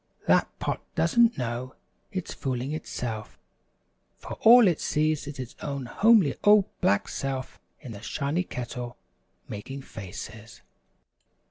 That Pot doesn't know it's fooling itself, for all it sees is its own homely old black self in the shiny Kettle making faces.